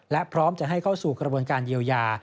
และพร้อมจะให้เข้าสู่กระบวนการเยียวยา